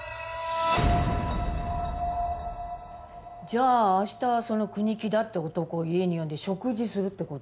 じゃあ明日その国木田って男を家に呼んで食事するって事？